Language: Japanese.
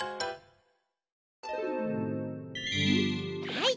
はい！